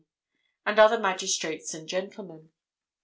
and other magistrates and gentlemen.